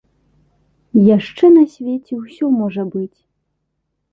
Яшчэ на свеце ўсё можа быць.